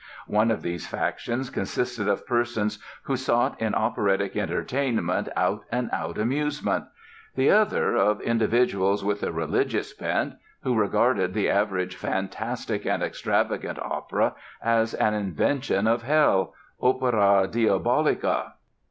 One of these factions consisted of persons who sought in operatic entertainment out and out amusement; the other, of individuals with a religious bent, who regarded the average fantastic and extravagant opera as an invention of hell—opera diabolica.